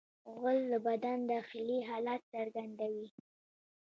غول د بدن داخلي حالت څرګندوي.